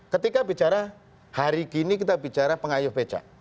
ketika bicara hari gini kita bicara pengayuh becak